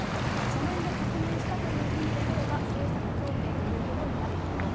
書面で確認したという意味で取れば、政策協定ということになると思う。